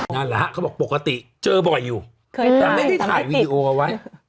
นั่นแหละฮะเขาบอกปกติเจอบ่อยอยู่แต่ไม่ได้ถ่ายวีดีโอเอาไว้